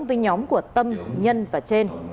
với nhóm của tâm nhân và trên